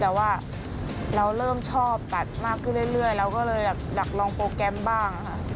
แต่ว่าเราเริ่มชอบตัดมากขึ้นเรื่อยเราก็เลยแบบอยากลองโปรแกรมบ้างค่ะ